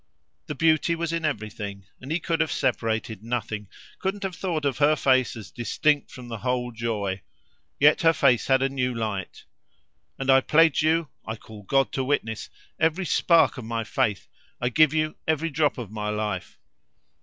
The beauty was in everything, and he could have separated nothing couldn't have thought of her face as distinct from the whole joy. Yet her face had a new light. "And I pledge you I call God to witness! every spark of my faith; I give you every drop of my life."